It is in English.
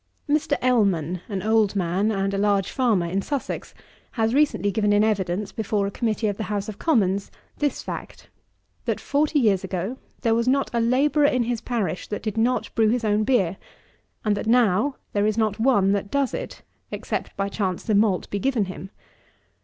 Mr. ELLMAN, an old man and a large farmer, in Sussex, has recently given in evidence, before a Committee of the House of Commons, this fact; that, forty years ago, there was not a labourer in his parish that did not brew his own beer; and that now there is not one that does it, except by chance the malt be given him.